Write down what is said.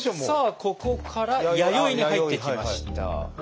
さあここから「弥生」に入ってきました。